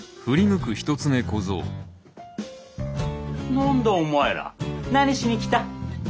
何だお前ら何しに来た？